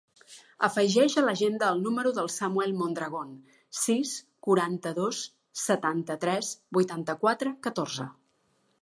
Afegeix a l'agenda el número del Samuel Mondragon: sis, quaranta-dos, setanta-tres, vuitanta-quatre, catorze.